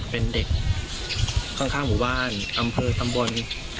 เป็นเด็กข้างหมู่บ้านอำเภอตำบล